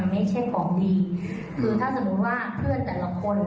ไม่ใช่ของดีคือถ้าสมมุติว่าเพื่อนแต่ละคน